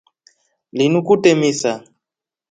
Linu kutee misa.